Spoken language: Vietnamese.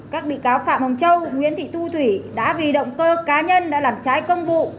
các bị cáo phạm hồng châu nguyễn thị thu thủy đã vì động cơ cá nhân đã làm trái công vụ